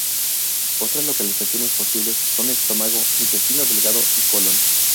Otras localizaciones posibles son estómago, intestino delgado y colon.